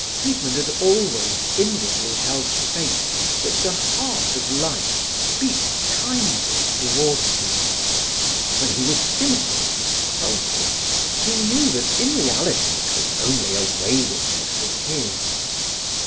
Siegmund had always inwardly held faith that the heart of life beat kindly towards him. When he was cynical and sulky he knew that in reality it was only a waywardness of his.